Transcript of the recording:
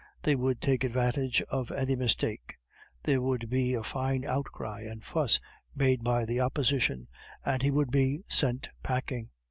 They would take advantage of any mistake. There would be a fine outcry and fuss made by the Opposition, and he would be sent packing.